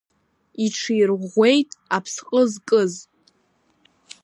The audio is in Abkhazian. Иҽирӷәӷәеит аԥсҟы зкыз.